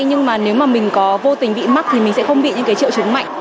nhưng mà nếu mà mình có vô tình bị mắc thì mình sẽ không bị những cái triệu chứng mạnh